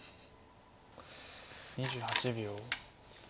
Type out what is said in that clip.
２８秒。